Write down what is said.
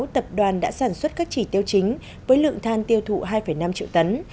tập đoàn đã sản xuất các chỉ tiêu chính với lượng than tiêu thụ hai năm triệu tấn